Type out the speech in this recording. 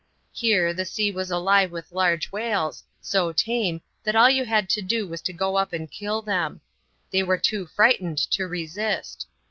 Here, the sea was alive with large whales, so tame, that all you had to do was to go up and kill them : they were too frightened to resist.